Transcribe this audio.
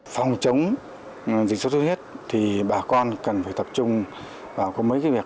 phòng chống dịch suất huyết thì bà con cần phải tập trung vào có mấy cái việc